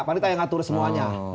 panitera yang ngatur semuanya